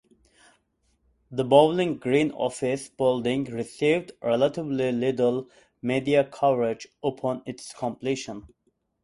The Bowling Green Offices Building received relatively little media coverage upon its completion.